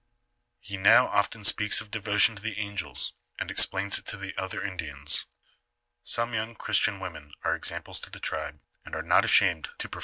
He now often speaks of devotion to the angels, and explains it to the other Indians. " Some young Christian women are examples to the tribe, and are not ashamed to profess Christianity.